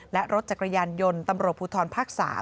และรถจักรยานยนต์ตำรวจภูทรภาค๓